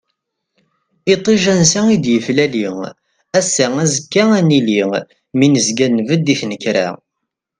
Iṭij ansa i d-neflali, ass-a azekka ad nili, mi nezga nbedd i tnekra.